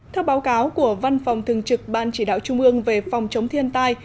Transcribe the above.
theo báo cáo của văn phòng thường trực ban chỉ đạo trung ương về phòng chống thiên tai